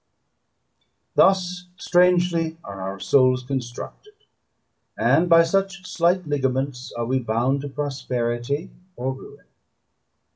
Thus strangely are our souls constructed, and by such slight ligaments are we bound to prosperity or ruin.